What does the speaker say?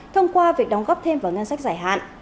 thông qua việc đóng góp thêm vào ngân sách giải hạn